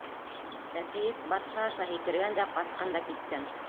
Ә кейек батша аша һикергән дә ҡасҡан да киткән.